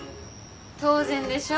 当然でしょう？